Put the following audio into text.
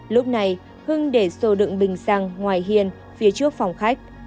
lúc này hưng để xô đựng bình xăng ngoài hiên phía trước phòng khách